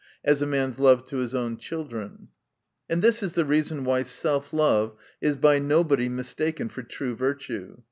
As, a man's love to his own children And this is the reason why self love is by nobody mistaken for true virtue.